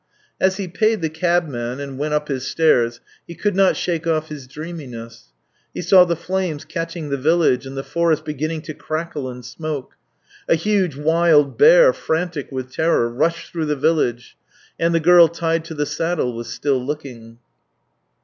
As he paid the cabman and went up his stairs, he could not shake off his dreaminess; he saw the flames catching the village, and the forest beginning to crackle and smoke. A huge, wild bear, frantic with terror, rushed through the village. ... And the girl tied to the saddle was still looking.